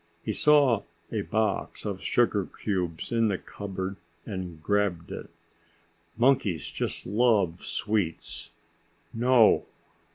He saw a box of sugar cubes in the cupboard and grabbed it. "Monkeys just love sweets." "No."